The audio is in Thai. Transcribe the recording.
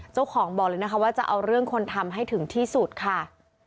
เจ้าของบอกเลยนะคะว่าจะเอาเรื่องคนทำให้ถึงที่สุดค่ะ